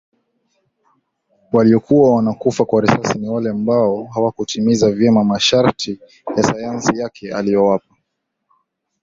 waliokuwa wanakufa kwa risasi ni wale ambao hawakutimiza vyema masharti ya sayansi yake aliyowapa